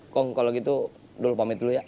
kong kalau gitu dulu pamit dulu ya